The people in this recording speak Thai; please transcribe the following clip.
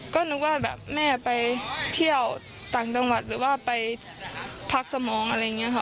ก็นึกว่าแบบแม่ไปเที่ยวต่างจังหวัดหรือว่าไปพักสมองอะไรอย่างนี้ค่ะ